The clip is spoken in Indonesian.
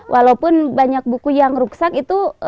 walaupun banyak buku yang rusak itu